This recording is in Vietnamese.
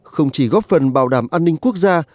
không chỉ góp phần bảo đảm an ninh quốc gia